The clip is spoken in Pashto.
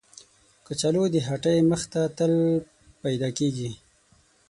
کچالو د هټۍ مخ ته تل پیدا کېږي